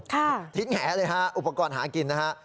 ทิ้งแหเลยฮะอุปกรณ์หากินนะฮะ